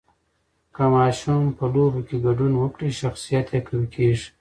که ماشوم په لوبو کې ګډون وکړي، شخصیت یې قوي کېږي.